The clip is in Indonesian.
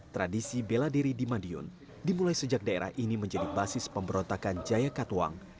tradisi bela diri di madiun dimulai sejak daerah ini menjadi basis pemberontakan jaya katuang